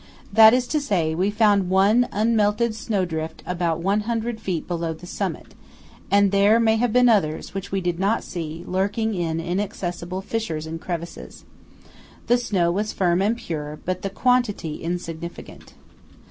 That is to say, we found one unmelted snow drift about 100 feet below the summit, and there may have been others which we did not see, lurking in inaccessible fissures and crevices. The snow was firm and pure, but the quantity insignificant.